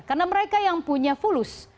karena mereka yang punya fulus